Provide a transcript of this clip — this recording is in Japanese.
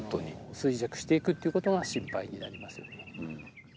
衰弱していくっていうことが心配になりますよね。